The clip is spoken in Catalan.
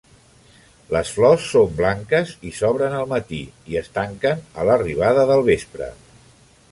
Les flors són blanques i s'obren al matí i es tanquen a l'arribada del vespre.